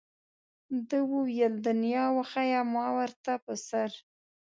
ده وویل دنیا وښیه ما ورته په سر.